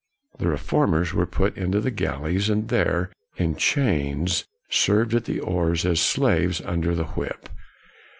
The reformers were put into the galleys, and there, in chains, served at the oars, as slaves under the whip.